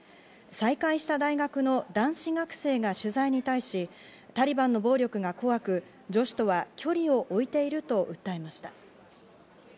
再開した大学の男子学生が取材に対し、タリバンの暴力が怖く、女子とは距離を置いていると訴えました。